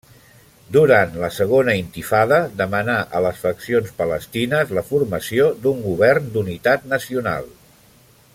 Durant la Segona Intifada demanà a les faccions palestines la formació d'un govern d'unitat nacional.